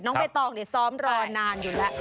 น้องเบตตองสอบรอนานอยู่แล้ว